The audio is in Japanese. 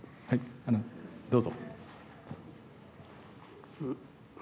どうぞ。